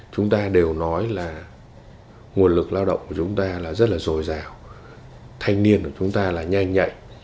chúng ta đều nói là nguồn lực lao động của chúng ta là rất là dồi dào thanh niên của chúng ta là nhanh nhạy